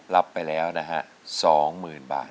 รับไปแล้วนะฮะสองหมื่นบาท